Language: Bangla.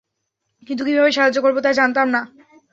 কিন্তু কীভাবে সাহায্য করবো তা জানতাম না।